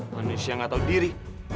manusia gak tau diri